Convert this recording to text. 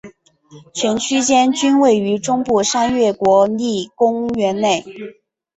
全区间均位于中部山岳国立公园内。